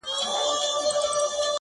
چي اخترونه په واوښتل.!